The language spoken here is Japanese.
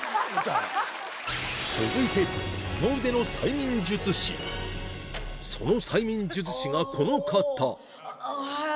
続いてその催眠術師がこの方ハーイ！